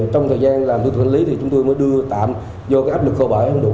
trong thời gian làm tịch thu thanh lý thì chúng tôi mới đưa tạm do áp lực khổ bởi không đủ